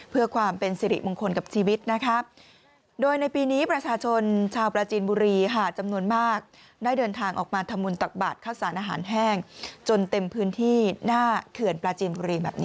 เพื่อความเป็นสิริมงคลกับชีวิตนะคะ